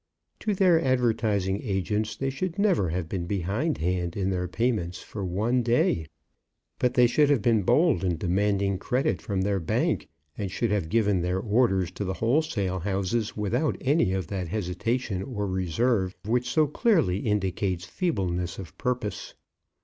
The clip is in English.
To their advertising agents they should never have been behindhand in their payments for one day; but they should have been bold in demanding credit from their bank, and should have given their orders to the wholesale houses without any of that hesitation or reserve which so clearly indicates feebleness of purpose.